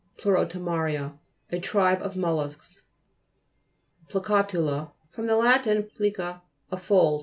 PLEUROTOMA'RIA A tribe of mol lusks. PLICA'TULA fr. lat. plica, a fold.